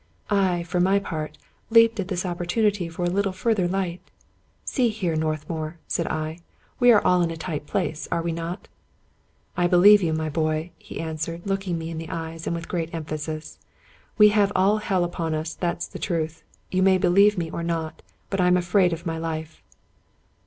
I, for my part, leaped at this opportunity for a little fur ther light. " See here, Northmour," said I ; "we are all in a tight place, are we not ?"" I believe you, my boy," he answered, looking me in the eyes, and with great emphasis. " We have all hell upon us, that's the truth. You may believe me or not, but I'm afraid of my life."